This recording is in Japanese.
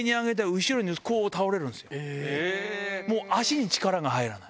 もう足に力が入らない。